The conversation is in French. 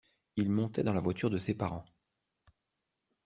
Il montait dans la voiture de ses parents.